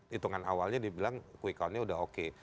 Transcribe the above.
hitungan awalnya dibilang quick countnya sudah oke